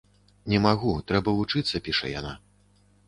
Не магу, трэба вучыцца, піша яна.